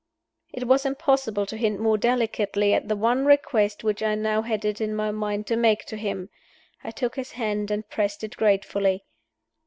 It was impossible to hint more delicately at the one request which I now had it in my mind to make to him. I took his hand and pressed it gratefully.